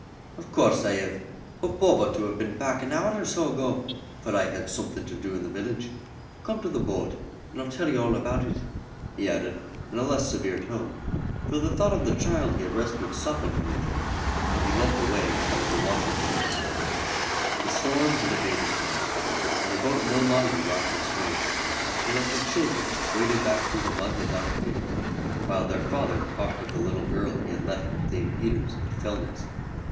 "Of course I have, but Bob ought to have been back an hour or so ago, for I had something to do in the village. Come to the boat, and I'll tell you all about it," he added, in a less severe tone; for the thought of the child he had rescued softened him a little, and he led the way out of the washing shed. The storm had abated now, and the boat no longer rocked and swayed, so that the children waded back through the mud without fear, while their father talked of the little girl he had left with Dame Peters at Fellness.